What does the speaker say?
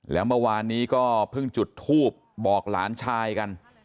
แล้วเมื่อวานนี้ก็เพิ่งจุดทูบบอกหลานชายกัน